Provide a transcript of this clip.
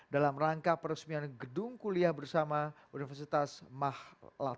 dalam rangka peresmian gedung kuliah bersama universitas mahal